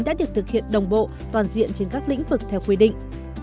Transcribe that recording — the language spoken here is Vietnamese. đã được thực hiện đồng bộ toàn diện trên các lĩnh vực theo quy định